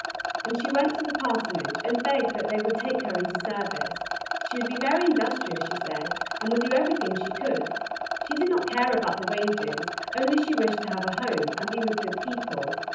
And she went to the parsonage, and begged that they would take her into service; she would be very industrious, she said, and would do everything she could; she did not care about the wages, only she wished to have a home, and be with good people.